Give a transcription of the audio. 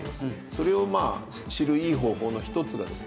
それを知るいい方法の一つがですね